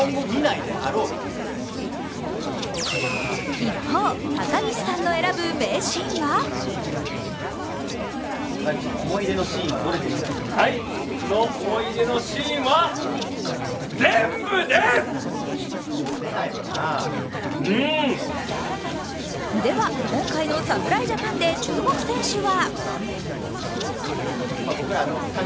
一方、高岸さんの選ぶ名シーンはでは、今回の侍ジャパンで注目選手は？